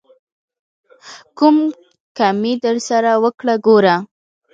ک و م ک مې درسره وکړ، ګوره!